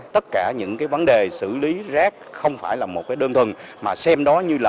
tất cả những cái vấn đề xử lý rác không phải là một cái đơn thuần mà xem đó như là